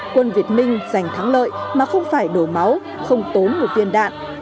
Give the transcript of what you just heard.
quân việt minh giành thắng lợi mà không phải đổ máu không tốn một viên đạn